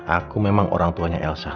aku memang orang tuanya elsa